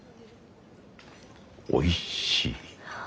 おいしい。